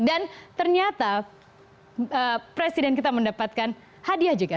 dan ternyata presiden kita mendapatkan hadiah juga